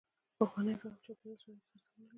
پخوانو فهم چاپېریال شرایطو سره سمون لري.